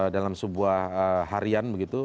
dalam sebuah harian begitu